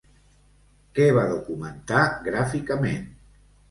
Què va documentar gràficament?